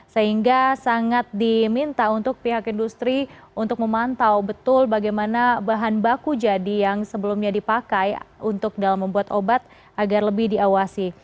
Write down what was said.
sehingga sangat diminta untuk pihak industri untuk memantau betul bagaimana bahan baku jadi yang sebelumnya dipakai untuk dalam membuat obat agar lebih diawasi